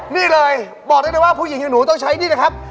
นี่เลยบอกได้เลยว่าผู้หญิงอย่างหนูต้องใช้นี่นะครับ